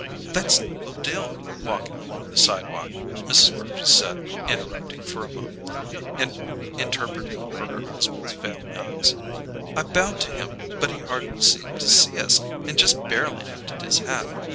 "That's Noble Dill walking along the sidewalk," Mrs. Burgess said, interpreting for her husband's failing eyes. "I bowed to him, but he hardly seemed to see us and just barely lifted his hat.